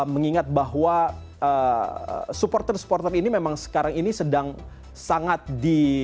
mengingat bahwa supporter supporter ini memang sekarang ini sedang sangat di